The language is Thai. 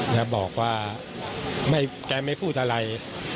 แล้วบอกว่าแกไม่พูดอะไร